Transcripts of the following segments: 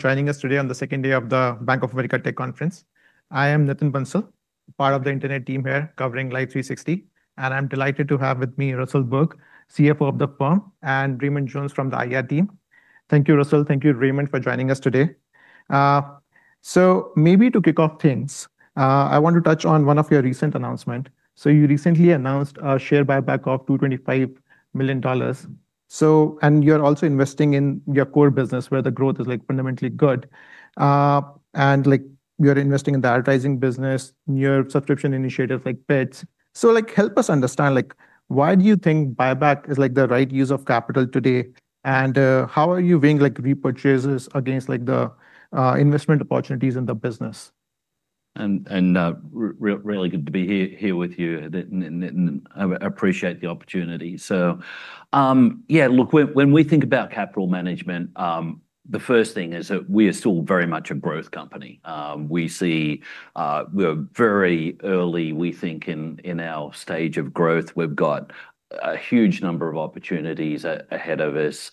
For joining us today on the second day of the Bank of America Tech Conference. I am Nitin Bansal, part of the Internet team here covering Life360. I'm delighted to have with me Russell Burke, CFO of the firm, and Raymond Jones from the IR team. Thank you, Russell. Thank you, Raymond, for joining us today. Maybe to kick off things, I want to touch on one of your recent announcement. You recently announced a share buyback of $225 million. You're also investing in your core business where the growth is fundamentally good. You're investing in the advertising business, in your subscription initiatives like Pets. Help us understand, why do you think buyback is the right use of capital today, and how are you weighing repurchases against the investment opportunities in the business? Really good to be here with you, Nitin. I appreciate the opportunity. Yeah, look, when we think about capital management, the first thing is that we are still very much a growth company. We are very early, we think, in our stage of growth. We've got a huge number of opportunities ahead of us.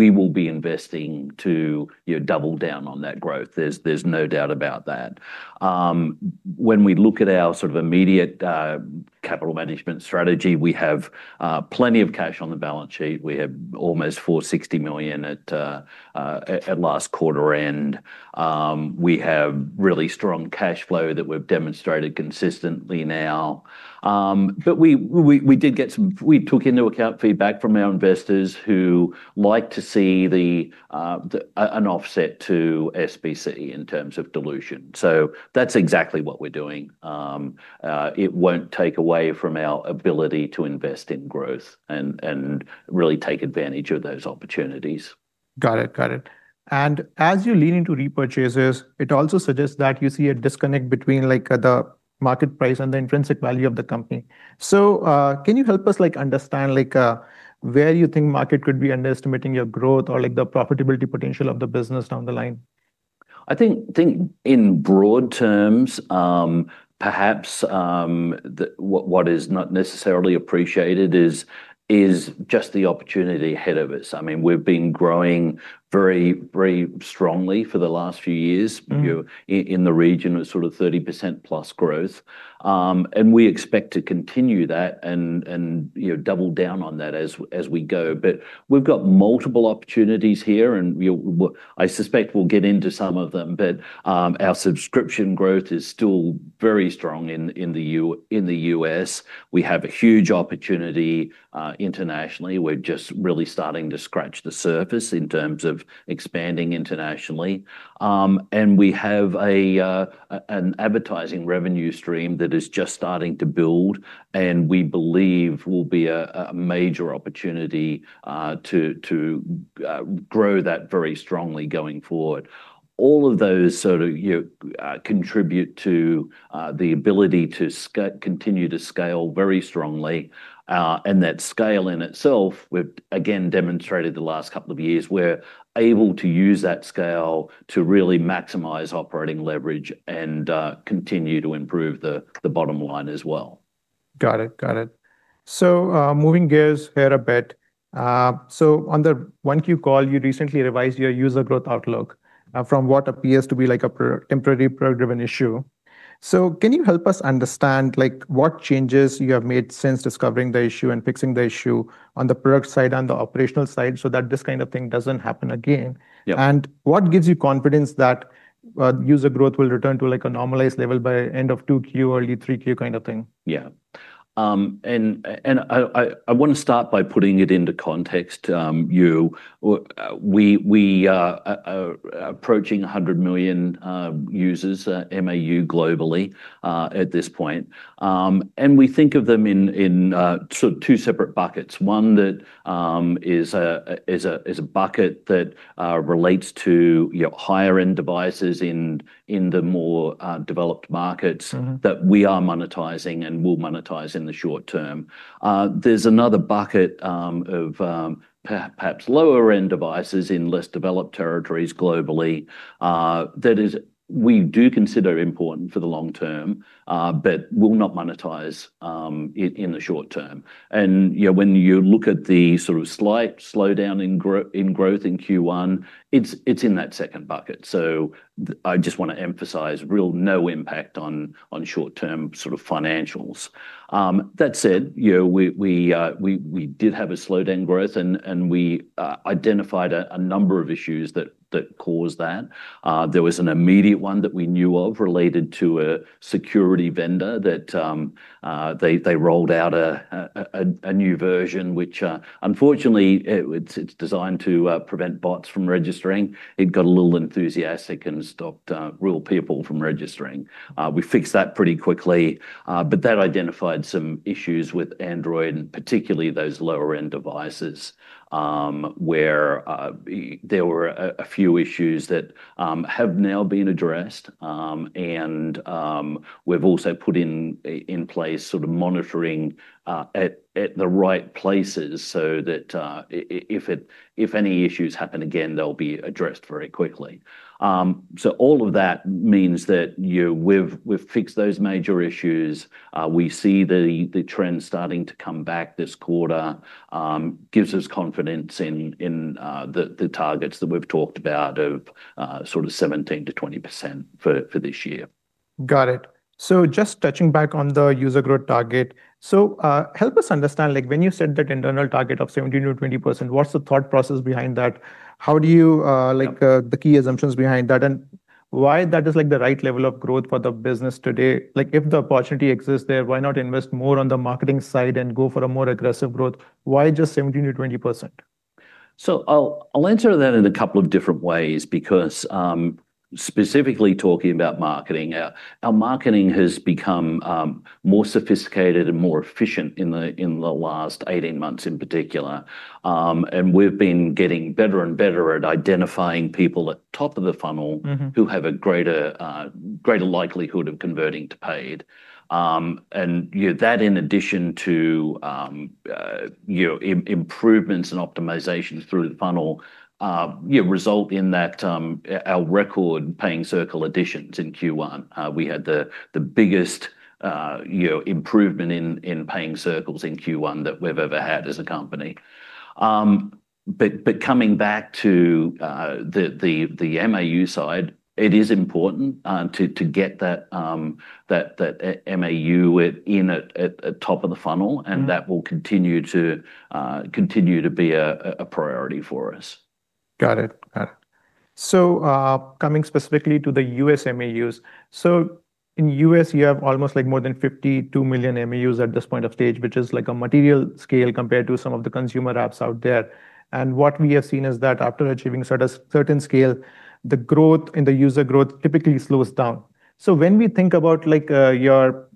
We will be investing to double down on that growth. There's no doubt about that. When we look at our immediate capital management strategy, we have plenty of cash on the balance sheet. We have almost $460 million at last quarter end. We have really strong cash flow that we've demonstrated consistently now. We took into account feedback from our investors who like to see an offset to SBC in terms of dilution. That's exactly what we're doing. It won't take away from our ability to invest in growth and really take advantage of those opportunities. Got it. As you lean into repurchases, it also suggests that you see a disconnect between the market price and the intrinsic value of the company. Can you help us understand where you think market could be underestimating your growth or the profitability potential of the business down the line? I think in broad terms, perhaps what is not necessarily appreciated is just the opportunity ahead of us. We've been growing very strongly for the last few years. In the region of sort of 30%+ growth. We expect to continue that and double down on that as we go. We've got multiple opportunities here, and I suspect we'll get into some of them. Our subscription growth is still very strong in the U.S. We have a huge opportunity internationally. We're just really starting to scratch the surface in terms of expanding internationally. We have an advertising revenue stream that is just starting to build and we believe will be a major opportunity to grow that very strongly going forward. All of those contribute to the ability to continue to scale very strongly. That scale in itself, we've again demonstrated the last couple of years, we're able to use that scale to really maximize operating leverage and continue to improve the bottom line as well. Got it. Moving gears here a bit. On the 1Q call, you recently revised your user growth outlook from what appears to be a temporary program-driven issue. Can you help us understand what changes you have made since discovering the issue and fixing the issue on the product side and the operational side so that this kind of thing doesn't happen again? What gives you confidence that user growth will return to a normalized level by end of 2Q, early 3Q kind of thing? Yeah. I want to start by putting it into context. We are approaching 100 million users, MAU globally at this point. We think of them in two separate buckets. One that is a bucket that relates to higher-end devices in the more developed markets that we are monetizing and will monetize in the short term. There's another bucket of perhaps lower-end devices in less developed territories globally, that we do consider important for the long term, but will not monetize in the short term. When you look at the slight slowdown in growth in Q1, it's in that second bucket. I just want to emphasize really no impact on short-term financials. That said, we did have a slowdown growth and we identified a number of issues that caused that. There was an immediate one that we knew of related to a security vendor that they rolled out a new version which, unfortunately, it's designed to prevent bots from registering. It got a little enthusiastic and stopped real people from registering. We fixed that pretty quickly. That identified some issues with Android, and particularly those lower-end devices, where there were a few issues that have now been addressed. We've also put in place monitoring at the right places so that if any issues happen again, they'll be addressed very quickly. All of that means that we've fixed those major issues. We see the trends starting to come back this quarter. Gives us confidence in the targets that we've talked about of 17%-20% for this year. Got it. Just touching back on the user growth target. Help us understand, when you said that internal target of 17%-20%, what's the thought process behind that? The key assumptions behind that, and why that is the right level of growth for the business today? If the opportunity exists there, why not invest more on the marketing side and go for a more aggressive growth? Why just 17%-20%? I'll answer that in a couple of different ways because, specifically talking about marketing, our marketing has become more sophisticated and more efficient in the last 18 months, in particular. We've been getting better and better at identifying people at top of the funnel who have a greater likelihood of converting to paid. That in addition to improvements and optimizations through the funnel, result in our record Paying Circle additions in Q1. We had the biggest improvement in Paying Circles in Q1 that we've ever had as a company. Coming back to the MAU side, it is important to get that MAU in at top of the funnel. That will continue to be a priority for us. Got it. Coming specifically to the U.S. MAUs. In U.S., you have almost more than 52 million MAUs at this point of stage, which is a material scale compared to some of the consumer apps out there. What we have seen is that after achieving certain scale, the growth in the user growth typically slows down. When we think about your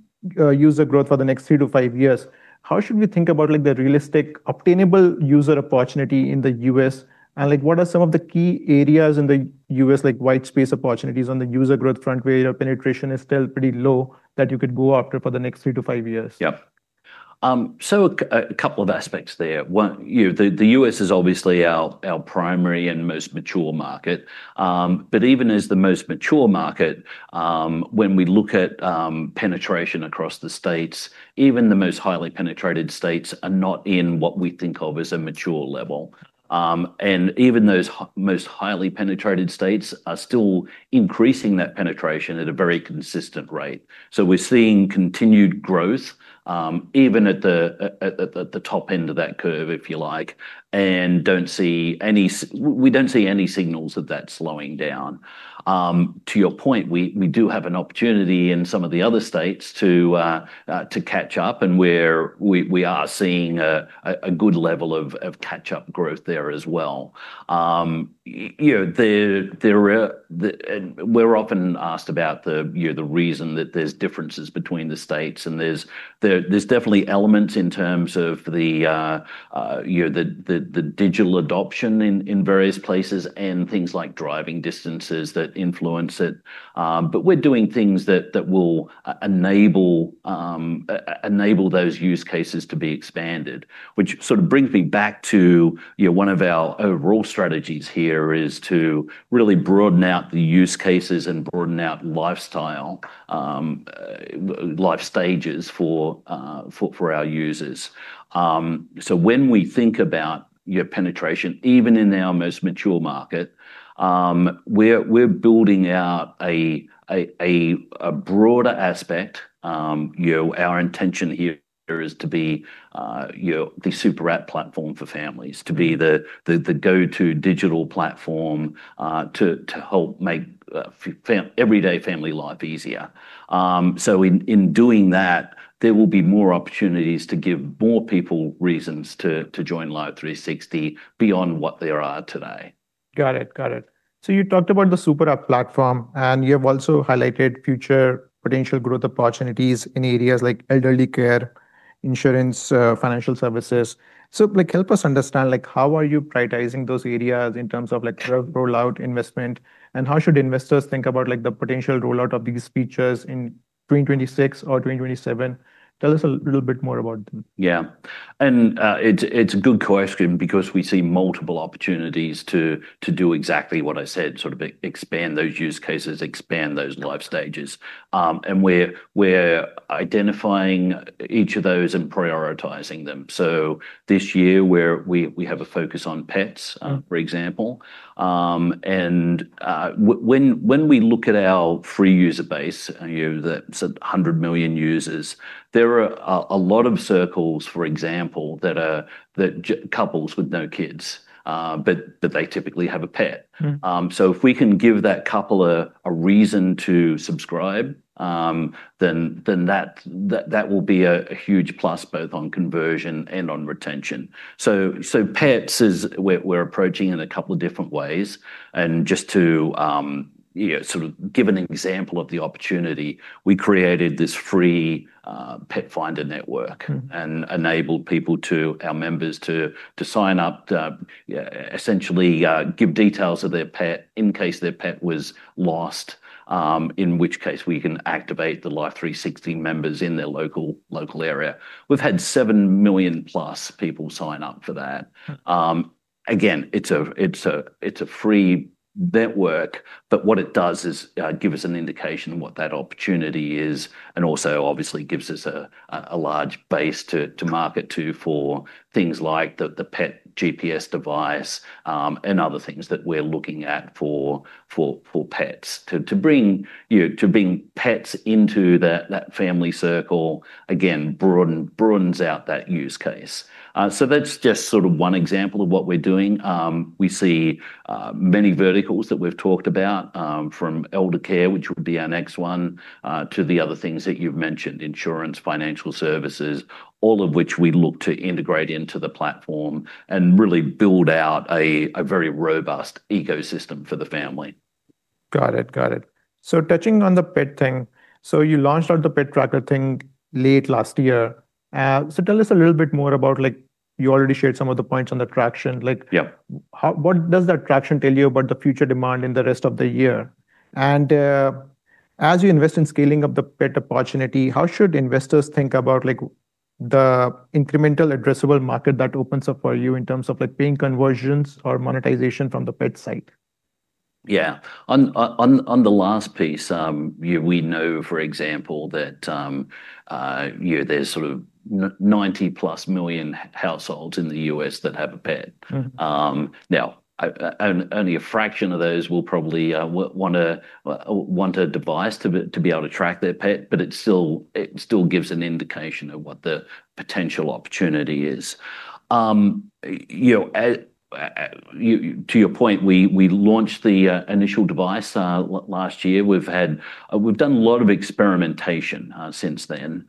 user growth for the next three to five years, how should we think about the realistic obtainable user opportunity in the U.S.? What are some of the key areas in the U.S., like white space opportunities on the user growth front where your penetration is still pretty low that you could go after for the next three to five years? Yes. A couple of aspects there. The U.S. is obviously our primary and most mature market. Even as the most mature market, when we look at penetration across the states, even the most highly penetrated states are not in what we think of as a mature level. Even those most highly penetrated states are still increasing that penetration at a very consistent rate. We're seeing continued growth, even at the top end of that curve, if you like, and we don't see any signals of that slowing down. To your point, we do have an opportunity in some of the other states to catch up, and we are seeing a good level of catch-up growth there as well. We're often asked about the reason that there's differences between the states, and there's definitely elements in terms of the digital adoption in various places and things like driving distances that influence it. We're doing things that will enable those use cases to be expanded. Which sort of brings me back to one of our overall strategies here is to really broaden out the use cases and broaden out lifestyle, life stages for our users. When we think about your penetration, even in our most mature market, we're building out a broader aspect. Our intention here is to be the super app platform for families, to be the go-to digital platform to help make everyday family life easier. In doing that, there will be more opportunities to give more people reasons to join Life360 beyond what there are today. Got it. You talked about the super app platform, and you have also highlighted future potential growth opportunities in areas like elderly care, insurance, financial services. Help us understand, how are you prioritizing those areas in terms of growth rollout investment, and how should investors think about the potential rollout of these features in 2026 or 2027? Tell us a little bit more about them. Yeah. It's a good question because we see multiple opportunities to do exactly what I said, sort of expand those use cases, expand those life stages. We're identifying each of those and prioritizing them. This year we have a focus on pets. For example, when we look at our free user base, that's 100 million users, there are a lot of Circles, for example, that couples with no kids, but they typically have a pet. If we can give that couple a reason to subscribe, then that will be a huge plus both on conversion and on retention. Pets is we're approaching in a couple different ways. Just to sort of give an example of the opportunity, we created this free Pet Finder Network. Enabled our members to sign up, essentially give details of their pet in case their pet was lost, in which case we can activate the Life360 members in their local area. We've had seven million plus people sign up for that. Again, it's a free network, but what it does is give us an indication of what that opportunity is, and also obviously gives us a large base to market to for things like the pet GPS device, and other things that we're looking at for pets. To bring pets into that family circle, again, broadens out that use case. That's just one example of what we're doing. We see many verticals that we've talked about, from elder care, which will be our next one, to the other things that you've mentioned, insurance, financial services, all of which we look to integrate into the platform and really build out a very robust ecosystem for the family. Got it. Touching on the pet thing, so you launched the pet tracker thing late last year. Tell us a little bit more about. You already shared some of the points on the traction. Yeah. What does that traction tell you about the future demand in the rest of the year? As you invest in scaling up the pet opportunity, how should investors think about the incremental addressable market that opens up for you in terms of paying conversions or monetization from the pet side? Yeah. On the last piece, we know, for example, that there's sort of 90+ million households in the U.S. that have a pet. Now, only a fraction of those will probably want a device to be able to track their pet, but it still gives an indication of what the potential opportunity is. To your point, we launched the initial device last year. We've done a lot of experimentation since then.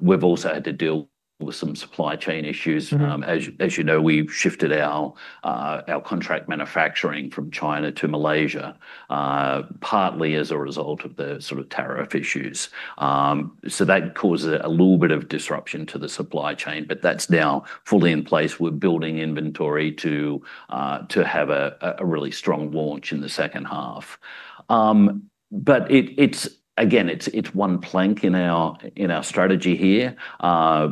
We've also had to deal with some supply chain issues. As you know, we've shifted our contract manufacturing from China to Malaysia, partly as a result of the tariff issues. That causes a little bit of disruption to the supply chain, but that's now fully in place. We're building inventory to have a really strong launch in the second half. Again, it's one plank in our strategy here.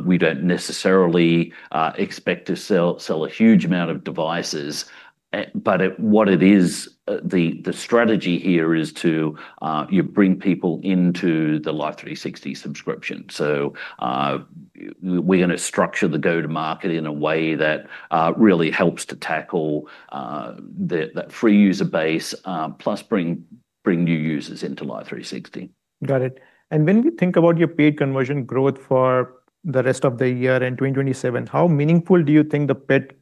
We don't necessarily expect to sell a huge amount of devices. The strategy here is to bring people into the Life360 subscription. We're going to structure the go-to-market in a way that really helps to tackle that free user base, plus bring new users into Life360. Got it. When we think about your paid conversion growth for the rest of the year and 2027, how meaningful do you think the pet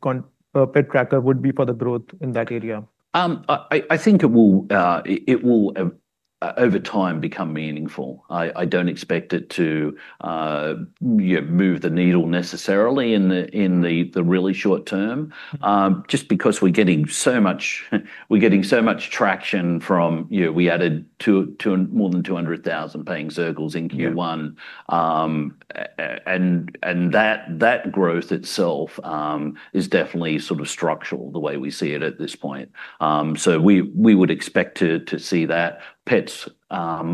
tracker would be for the growth in that area? I think it will, over time, become meaningful. I don't expect it to move the needle necessarily in the really short term, just because we're getting so much traction from, we added more than 200,000 Paying Circles in Q1. That growth itself is definitely structural the way we see it at this point. We would expect to see that pets,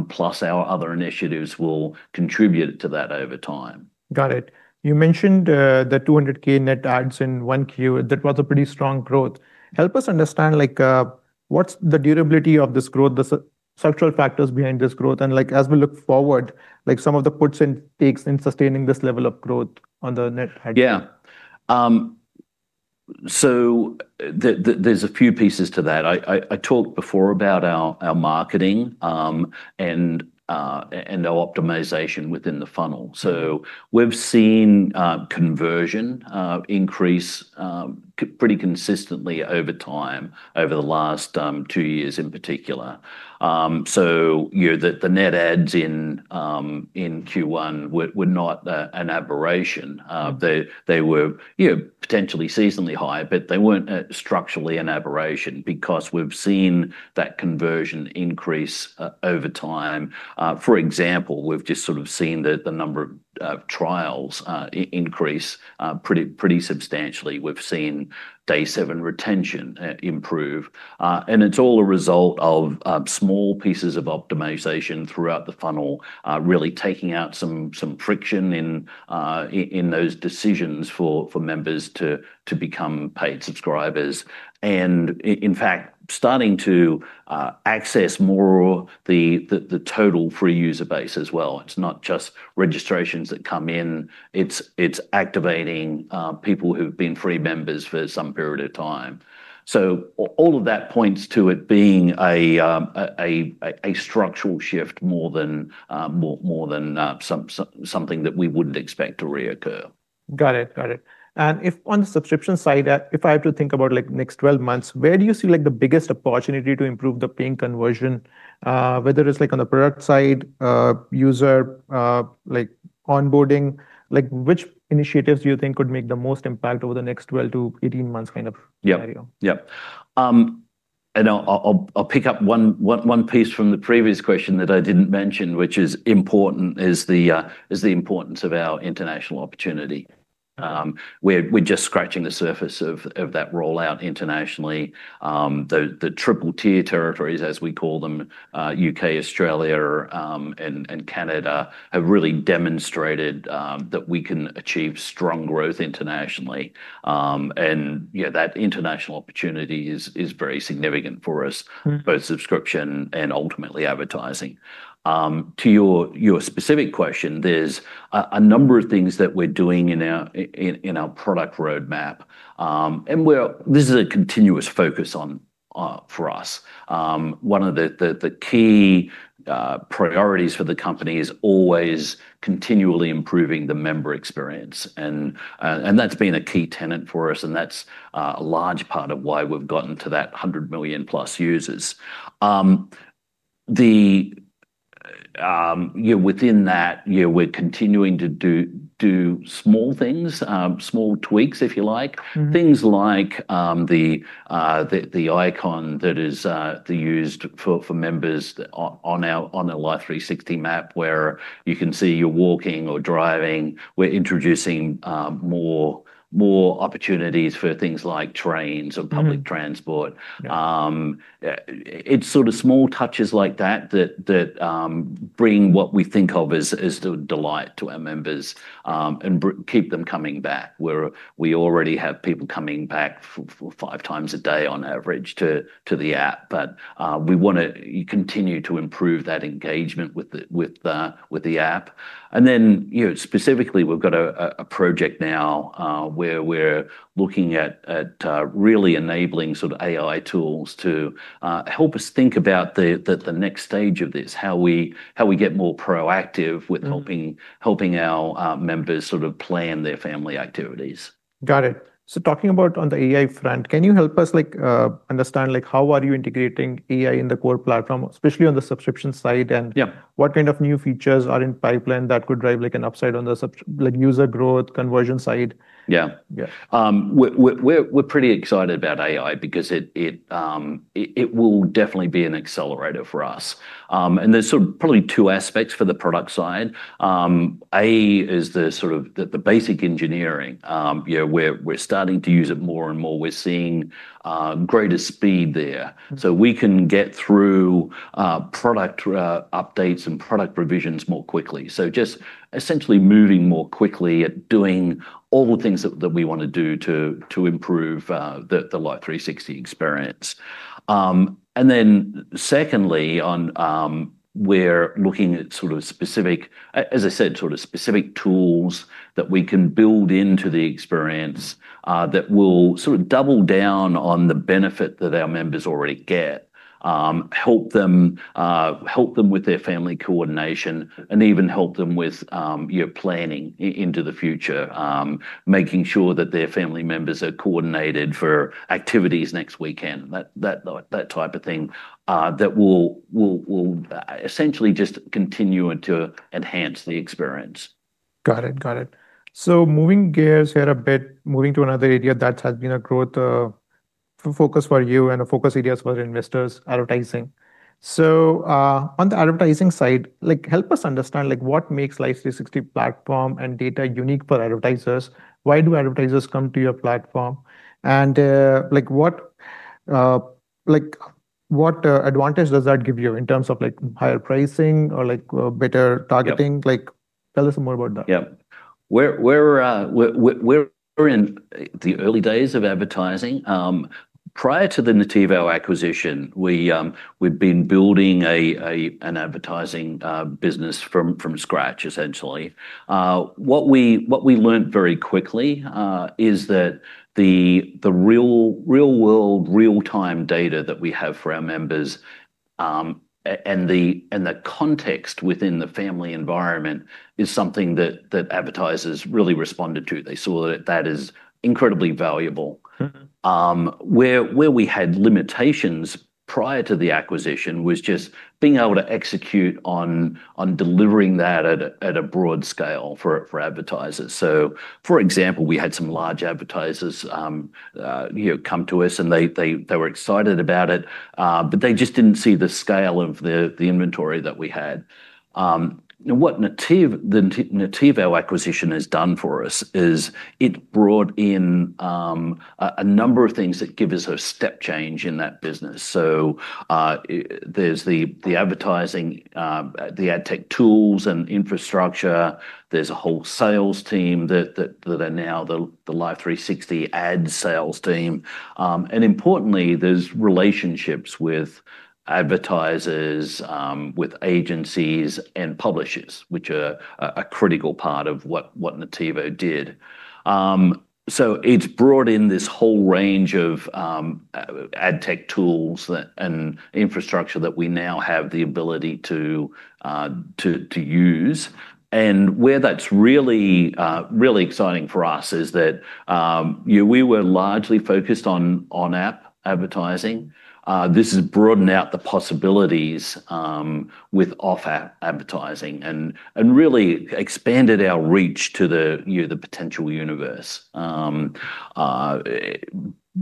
plus our other initiatives, will contribute to that over time. Got it. You mentioned the 200,000 net adds in Q1. That was a pretty strong growth. Help us understand what's the durability of this growth, the structural factors behind this growth, and as we look forward, some of the puts and takes in sustaining this level of growth on the net. Yeah. There's a few pieces to that. I talked before about our marketing, and our optimization within the funnel. We've seen conversion increase pretty consistently over time over the last two years in particular. The net adds in Q1 were not an aberration. They were potentially seasonally higher, but they weren't structurally an aberration because we've seen that conversion increase over time. For example, we've just seen the number of trials increase pretty substantially. We've seen day-seven retention improve. It's all a result of small pieces of optimization throughout the funnel, really taking out some friction in those decisions for members to become paid subscribers. In fact, starting to access more the total free user base as well. It's not just registrations that come in. It's activating people who've been free members for some period of time. All of that points to it being a structural shift more than something that we wouldn't expect to reoccur. Got it. If on the subscription side, if I have to think about next 12 months, where do you see the biggest opportunity to improve the paying conversion, whether it's on the product side, user onboarding? Which initiatives do you think would make the most impact over the next 12-18 months kind of scenario? Yes. I'll pick up one piece from the previous question that I didn't mention, which is important, is the importance of our international opportunity. We're just scratching the surface of that rollout internationally. The triple-tier territories, as we call them, U.K., Australia, and Canada, have really demonstrated that we can achieve strong growth internationally. Yeah, that international opportunity is very significant for us both subscription and ultimately advertising. To your specific question, there's a number of things that we're doing in our product roadmap. This is a continuous focus for us. One of the key priorities for the company is always continually improving the member experience, and that's been a key tenet for us, and that's a large part of why we've gotten to that 100 million plus users. Within that, we're continuing to do small things, small tweaks, if you like. Things like the icon that is used for members on the Life360 map, where you can see you're walking or driving. We're introducing more opportunities for things like trains or public transport. Mm-hmm. Yeah. It's sort of small touches like that that bring what we think of as delight to our members, and keep them coming back. We already have people coming back five times a day on average to the app, we want to continue to improve that engagement with the app. Specifically, we've got a project now where we're looking at really enabling AI tools to help us think about the next stage of this. How we get more proactive with helping our members plan their family activities. Got it. Talking about on the AI front, can you help us understand how are you integrating AI in the core platform, especially on the subscription side? Yeah. What kind of new features are in pipeline that could drive an upside on the user growth conversion side? Yeah. Yeah. We're pretty excited about AI because it will definitely be an accelerator for us. There's probably two aspects for the product side. A is the basic engineering, where we're starting to use it more and more. We're seeing greater speed there. We can get through product updates and product revisions more quickly. Just essentially moving more quickly at doing all the things that we want to do to improve the Life360 experience. Secondly, we're looking at, as I said, specific tools that we can build into the experience that will double down on the benefit that our members already get, help them with their family coordination, and even help them with planning into the future, making sure that their family members are coordinated for activities next weekend, that type of thing, that will essentially just continue to enhance the experience. Got it. Moving gears here a bit, moving to another area that has been a growth focus for you and a focus area for the investors, advertising. On the advertising side, help us understand what makes Life360 platform and data unique for advertisers. Why do advertisers come to your platform, and what advantage does that give you in terms of higher pricing or better targeting? Yes. Tell us more about that. Yes. We're in the early days of advertising. Prior to the Nativo acquisition, we'd been building an advertising business from scratch, essentially. What we learned very quickly is that the real-world, real-time data that we have for our members, and the context within the family environment, is something that advertisers really responded to. They saw that as incredibly valuable. Where we had limitations prior to the acquisition was just being able to execute on delivering that at a broad scale for advertisers. For example, we had some large advertisers come to us, and they were excited about it, but they just didn't see the scale of the inventory that we had. What the Nativo acquisition has done for us is it brought in a number of things that give us a step change in that business. There's the advertising, the ad tech tools and infrastructure. There's a whole sales team that are now the Life360 ad sales team. Importantly, there's relationships with advertisers, with agencies, and publishers, which are a critical part of what Nativo did. It's brought in this whole range of ad tech tools and infrastructure that we now have the ability to use. Where that's really exciting for us is that we were largely focused on on-app advertising. This has broadened out the possibilities with off-app advertising, and really expanded our reach to the potential universe.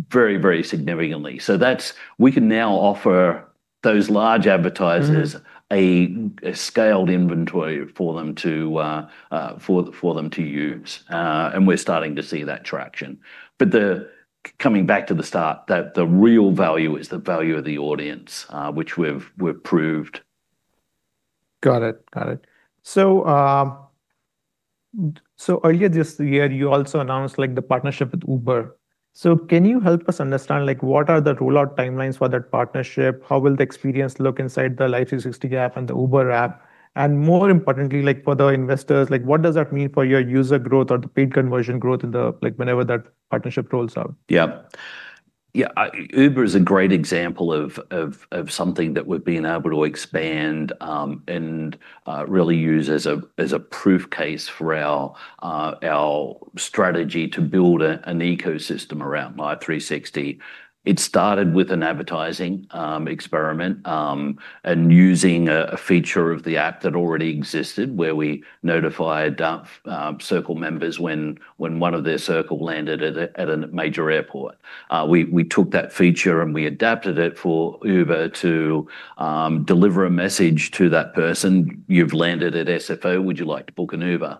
Very, very significantly. We can now offer those large advertisers. A scaled inventory for them to use. We're starting to see that traction. Coming back to the start, the real value is the value of the audience, which we've proved. Got it. Earlier this year you also announced the partnership with Uber. Can you help us understand what are the rollout timelines for that partnership? How will the experience look inside the Life360 app and the Uber app? More importantly, for the investors, what does that mean for your user growth or the paid conversion growth whenever that partnership rolls out? Yeah. Uber is a great example of something that we've been able to expand, and really use as a proof case for our strategy to build an ecosystem around Life360. It started with an advertising experiment, and using a feature of the app that already existed, where we notified circle members when one of their circle landed at a major airport. We took that feature and we adapted it for Uber to deliver a message to that person, "You've landed at SFO, would you like to book an Uber?"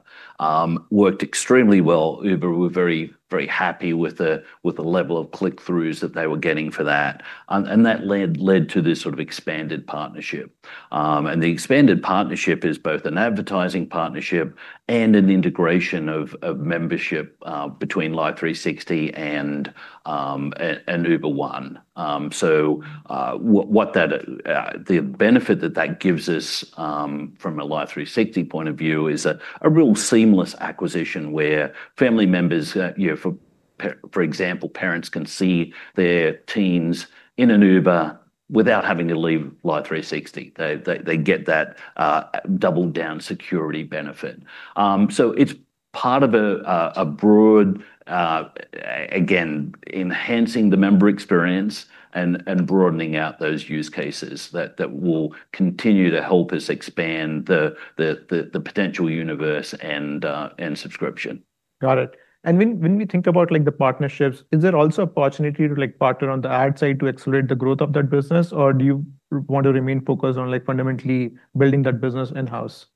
Worked extremely well. Uber were very happy with the level of click-throughs that they were getting for that. That led to this sort of expanded partnership. The expanded partnership is both an advertising partnership and an integration of membership between Life360 and Uber One. The benefit that that gives us, from a Life360 point of view, is a real seamless acquisition where family members, for example, parents can see their teens in an Uber without having to leave Life360. They get that double-down security benefit. It's part of a broad, again, enhancing the member experience and broadening out those use cases that will continue to help us expand the potential universe and subscription. Got it. When we think about the partnerships, is there also opportunity to partner on the ad side to accelerate the growth of that business? Or do you want to remain focused on fundamentally building that business in-house?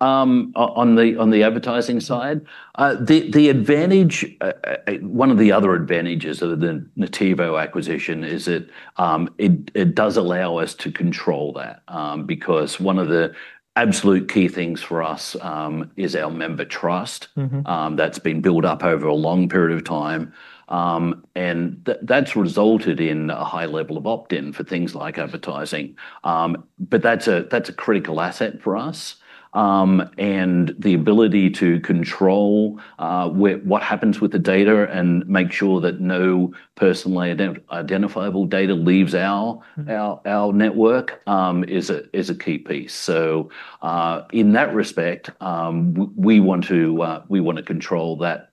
On the advertising side? One of the other advantages of the Nativo acquisition is that it does allow us to control that. One of the absolute key things for us is our member trust. that's been built up over a long period of time. That's resulted in a high level of opt-in for things like advertising. That's a critical asset for us. The ability to control what happens with the data and make sure that no personally identifiable data leaves our network is a key piece. In that respect, we want to control that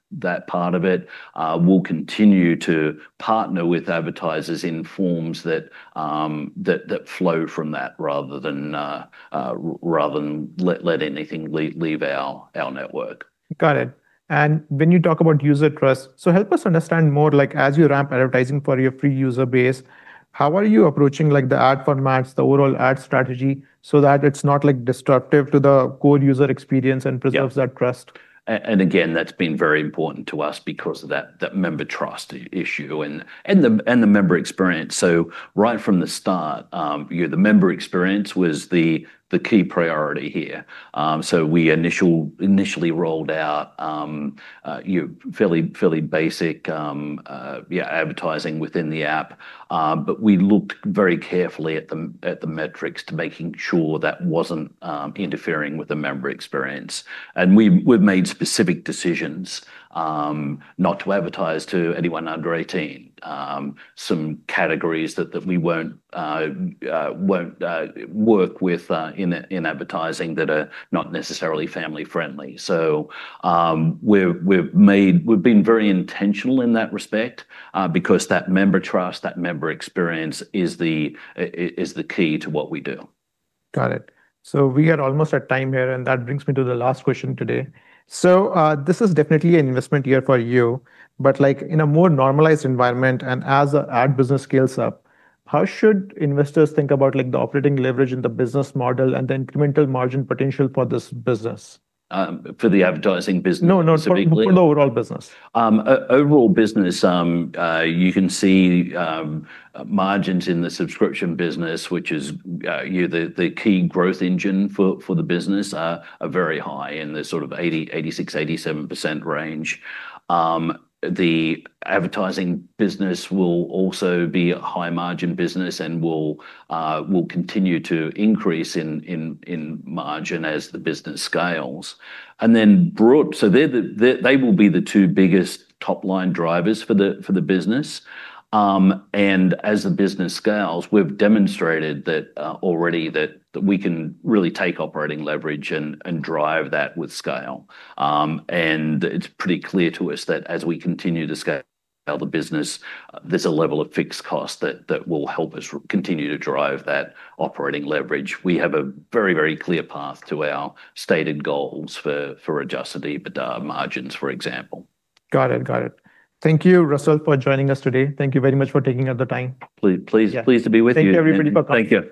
part of it. We'll continue to partner with advertisers in forms that flow from that rather than let anything leave our network. Got it. When you talk about user trust, so help us understand more, as you ramp advertising for your free user base, how are you approaching the ad formats, the overall ad strategy, so that it's not destructive to the core user experience? That trust? Again, that's been very important to us because of that member trust issue and the member experience. Right from the start, the member experience was the key priority here. We initially rolled out fairly basic advertising within the app. We looked very carefully at the metrics to making sure that wasn't interfering with the member experience. We've made specific decisions not to advertise to anyone under 18. Some categories that we won't work with in advertising that are not necessarily family-friendly. We've been very intentional in that respect, because that member trust, that member experience, is the key to what we do. Got it. We are almost at time here, and that brings me to the last question today. This is definitely an investment year for you, but in a more normalized environment and as the ad business scales up, how should investors think about the operating leverage in the business model and the incremental margin potential for this business? For the advertising business specifically? No. For the overall business. Overall business, you can see margins in the subscription business, which is the key growth engine for the business, are very high, in the sort of 86%, 87% range. The advertising business will also be a high margin business and will continue to increase in margin as the business scales. They will be the two biggest top-line drivers for the business. As the business scales, we've demonstrated already that we can really take operating leverage and drive that with scale. It's pretty clear to us that as we continue to scale the business, there's a level of fixed cost that will help us continue to drive that operating leverage. We have a very clear path to our stated goals for adjusted EBITDA margins, for example. Got it. Thank you, Russell, for joining us today. Thank you very much for taking out the time. Pleased to be with you. Thank you, everybody, for coming. Thank you.